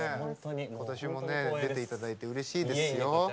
ことしも出ていただいてうれしいですよ。